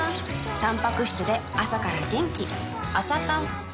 たんぱく質で朝から元気